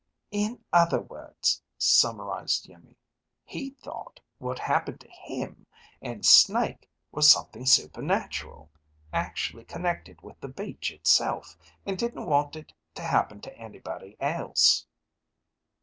"In other words," summarized Iimmi, "he thought what happened to him and Snake was something supernatural, actually connected with the beach itself, and didn't want it to happen to anybody else."